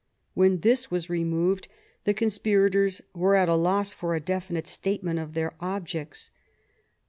When this was removed, the conspirators were at a loss for a definite statement of their objects.